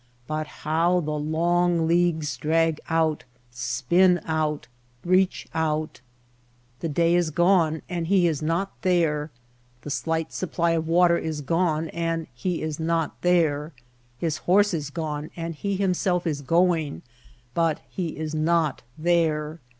But how the long leagues drag out, spin out, reach out ! The day is gone and he is not there, the slight supply of water is gone and he is not there, his horse is gone and he himself is going, but he is not there.